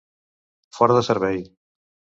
Fora de servei.